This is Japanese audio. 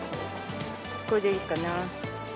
これでいいかな。